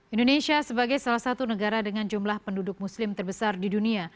indonesia sebagai salah satu negara dengan jumlah penduduk muslim terbesar di dunia